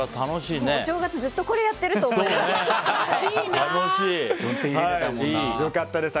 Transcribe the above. お正月ずっとこれやってると思います。